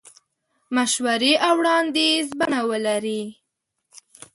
مشورې او وړاندیز بڼه ولري.